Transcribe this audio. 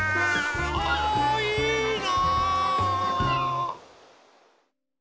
あいいな。